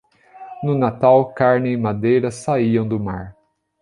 No Natal, carne e madeira saíam do mar.